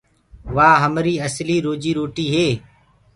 وآ همري اسلي روجيٚ روٽي هي۔